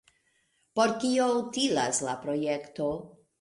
Por kio utilas la projekto?